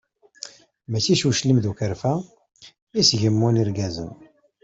Mačči s uclim d ukerfa, i s gemmun irgazen.